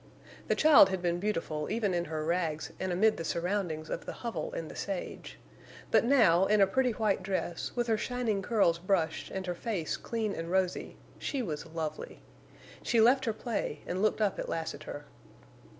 The child had been beautiful even in her rags and amid the surroundings of the hovel in the sage, but now, in a pretty white dress, with her shining curls brushed and her face clean and rosy, she was lovely. She left her play and looked up at Lassiter.